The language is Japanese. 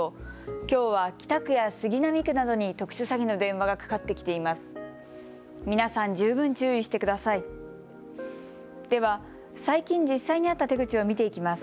きょうは北区や杉並区などに特殊詐欺の電話がかかってきています。